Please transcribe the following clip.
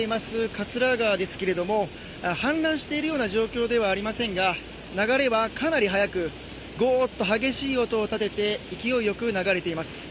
桂川ですけれども、氾濫しているような状況ではありませんが流れはかなり速くゴーッと激しい音を立てて勢いよく流れています。